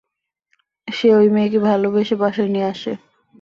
সে ওই মেয়েকে ভালোবেসে বাসায় নিয়ে আসে।